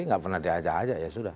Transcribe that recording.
nggak pernah diajak ajak ya sudah